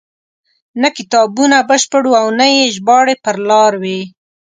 نه کتابونه بشپړ وو او نه یې ژباړې پر لار وې.